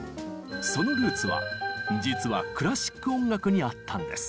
そのルーツは実はクラシック音楽にあったんです。